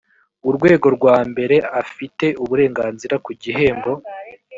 urwego rwa mbere afite uburenganzira ku gihembo